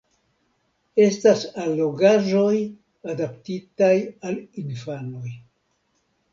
Estas allogaĵoj adaptitaj al infanoj.